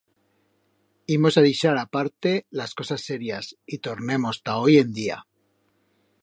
Imos a dixar aparte las cosas serias y tornemos ta hoi en día.